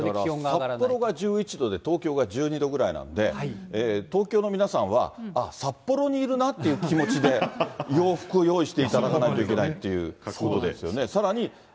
だから札幌が１１度で、東京が１２度ぐらいなので、東京の皆さんは、あっ、札幌にいるなって気持ちで、洋服を用意していただかないといけないということですよね。